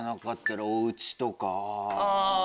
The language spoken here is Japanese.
「おうち」とか。